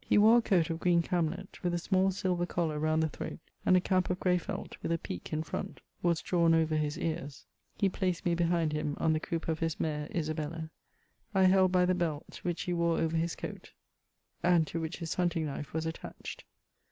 He wore a coat of green camlet, with a small silver collar round the throat, and a cap of grey felt, with a peak in front, was drawn over his ears. He placed me behind him, on the croup of his ihare, Isabella. I held by the belt, which he wore over his coat, and to which his hunting knife was attached.